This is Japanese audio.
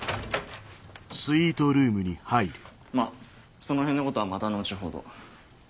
まそのへんのことはまた後ほど。